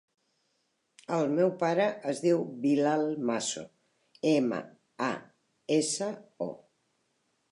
El meu pare es diu Bilal Maso: ema, a, essa, o.